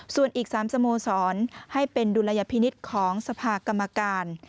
ส่วนอีก๓สโมสรให้เป็นดุลยพินิษฐ์ของสภากรรมการ